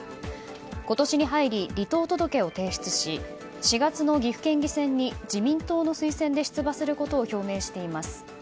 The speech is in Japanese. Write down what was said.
今年に入り、離党届を提出し４月の岐阜県議選に自民党の推薦で出馬することを表明しています。